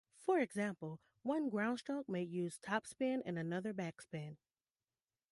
For example, one groundstroke may use topspin and another backspin.